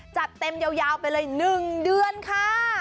จัดเต็มยาวไปเลย๑เดือนค่ะ